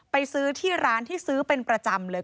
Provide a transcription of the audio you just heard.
ไปซื้อที่ร้านที่ซื้อเป็นประจำเลย